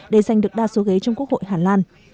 để giành được đa số ghế trong quốc hội hà lan